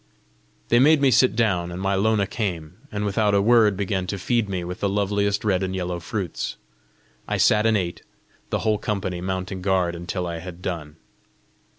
They made me sit down, and my Lona came, and without a word began to feed me with the loveliest red and yellow fruits. I sat and ate, the whole colony mounting guard until I had done.